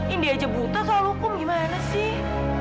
indi aja buta soal hukum gimana sih